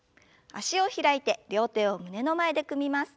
脚を開いて両手を胸の前で組みます。